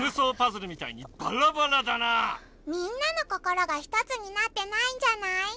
みんなの心がひとつになってないんじゃない？